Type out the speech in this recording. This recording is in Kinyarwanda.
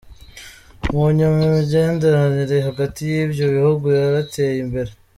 Mu nyuma imigenderanire hagati y'ivyo bihugu yarateye imbere.